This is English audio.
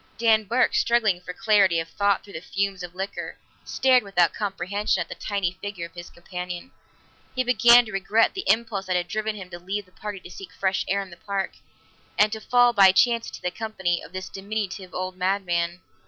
Dan Burke, struggling for clarity of thought through the fumes of liquor, stared without comprehension at the tiny figure of his companion. He began to regret the impulse that had driven him to leave the party to seek fresh air in the park, and to fall by chance into the company of this diminutive old madman.